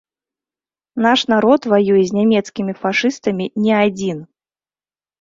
Наш народ ваюе з нямецкімі фашыстамі не адзін.